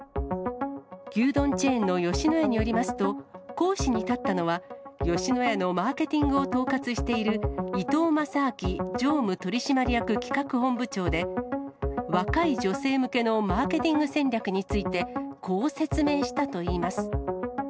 牛丼チェーンの吉野家によりますと、講師に立ったのは、吉野家のマーケティングを統括している伊東正明常務取締役企画本部長で、若い女性向けのマーケティング戦略について、こう説明したといいます。